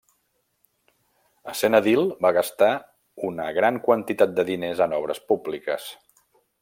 Essent edil va gastar una gran quantitat de diners en obres públiques.